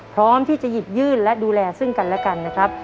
พร้อมที่จะหยิบยื่นและดูแลซึ่งกันและกันนะครับ